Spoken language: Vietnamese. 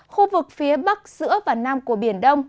khu vực phía bắc giữa và nam của biển đông